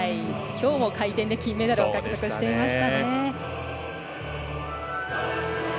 きょうも回転で金メダルを獲得していましたね。